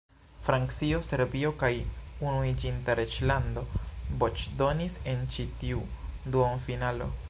Francio, Serbio kaj Unuiĝinta Reĝlando voĉdonis en ĉi tiu duonfinalo.